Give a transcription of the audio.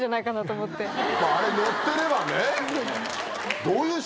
あれ乗ってればね。